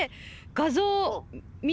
画像？